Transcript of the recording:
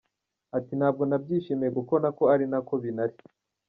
Ati “Ntabwo nabyishimiye kuko nako ari nako binari.